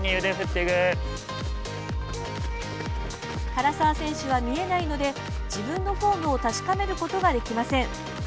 唐澤選手は見えないので自分のフォームを確かめることができません。